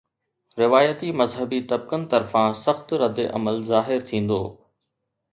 روايتي مذهبي طبقن طرفان سخت ردعمل ظاهر ٿيندو.